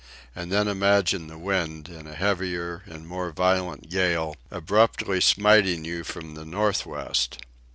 And then imagine the wind, in a heavier and more violent gale, abruptly smiting you from the north west.